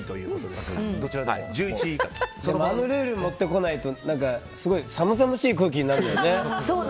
でも、あのルール持ってこないと寒々しい空気になるもんね。